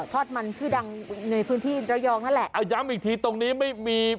ทอดมันชื่อดังในพื้นที่ระยองนั่นแหละเอาย้ำอีกทีตรงนี้ไม่มี